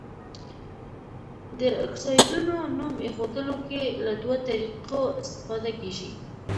د اکسایډونو نوم ایښودلو کې له دوه طریقو استفاده کیږي.